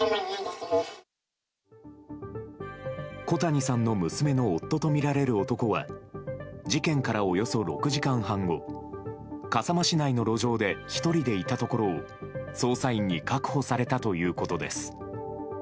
小谷さんの娘の夫とみられる男は事件から、およそ６時間半後笠間市内の路上で１人でいたところを捜査員に確保されたということです。